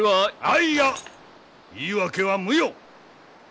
あいや言い訳は無用！